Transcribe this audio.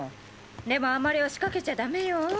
でもあんまり押しかけちゃダメよ。